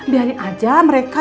biarin aja mereka